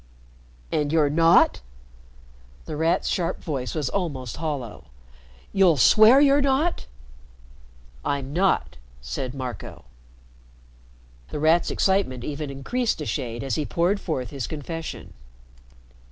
"And you're not?" The Rat's sharp voice was almost hollow. "You'll swear you're not?" "I'm not," said Marco. The Rat's excitement even increased a shade as he poured forth his confession.